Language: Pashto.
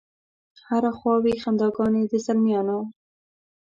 هره خوا وي خنداګانې د زلمیانو